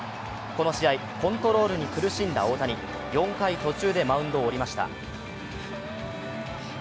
この試合、コントロールに苦しんだ大谷４回途中でマウンドを降りました。